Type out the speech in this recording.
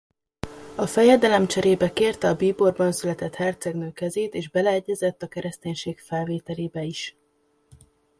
A fejedelem cserébe kérte a bíborbanszületett hercegnő kezét és beleegyezett a kereszténység felvételébe is.